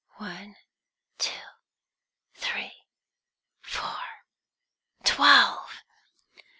"One, two, three, four twelve!"